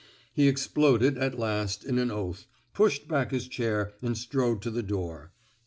He exploded, at last, in an oath, pushed back his chair, and strode to the door.